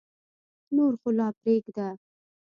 نور خو لا پرېږده.